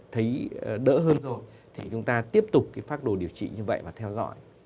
thấy đỡ hơn rồi thì chúng ta tiếp tục phát đồ điều trị như vậy và theo dõi